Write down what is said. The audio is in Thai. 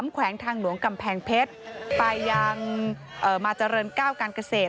แขวงทางหลวงกำแพงเพชรไปยังมาเจริญก้าวการเกษตร